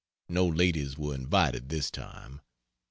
No ladies were invited this time.